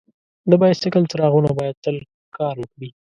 د بایسکل څراغونه باید تل کار وکړي.